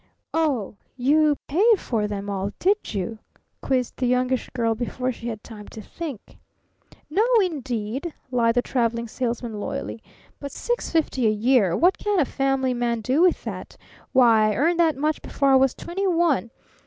"Oh you paid for them all, did you?" quizzed the Youngish Girl before she had time to think. "No, indeed!" lied the Traveling Salesman loyally. "But $650 a year? What can a family man do with that? Why, I earned that much before I was twenty one!